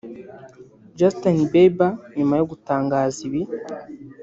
Justin Bieber nyuma yo gutangaza ibi